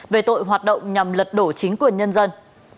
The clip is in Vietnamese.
về tội hoạt động nhằm lật đổ chính quyền nhân dân